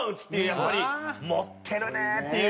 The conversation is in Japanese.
やっぱり持ってるねえっていう。